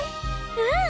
うん！